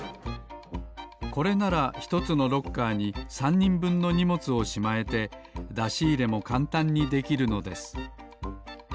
これなら１つのロッカーに３にんぶんのにもつをしまえてだしいれもかんたんにできるのです。